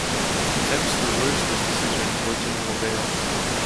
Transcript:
His attempts to reverse this decision were to no avail.